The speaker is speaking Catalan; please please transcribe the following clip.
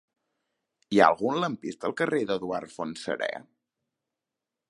Hi ha algun lampista al carrer d'Eduard Fontserè?